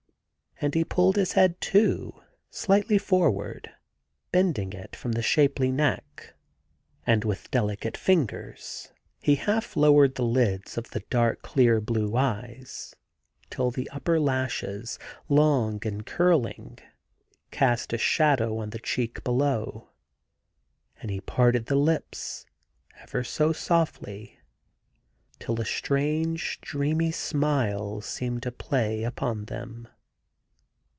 He pulled his head, too, slightly forward, bending it from the shapely neck; and with delicate fingers he half lowered the lids of the dark, clear blue eyes, till the upper lashes, long and curling, cast a shadow on the cheek below; and he parted the lips, ever so softly, till a strange dreamy smile seemed to play upon them.